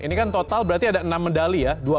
ini kan total berarti ada enam medali ya